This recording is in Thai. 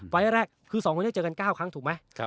ไฟล์แรกคือ๒คนนี้เจอกัน๙ครั้งถูกไหม